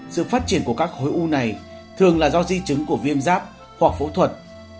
sự phát triển của các khối u này thường là do di chứng của viêm giáp hoặc phẫu thuật